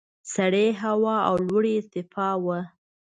سړې هوا او لوړې ارتفاع وو.